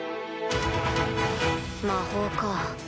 魔法か。